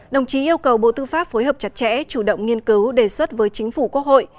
đồng chí yêu cầu bộ tư pháp phối hợp chặt chẽ chủ động nghiên cứu đề xuất với chính phủ quốc hội